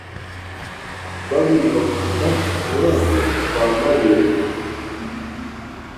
babiri bakunda kururabyo rwamabere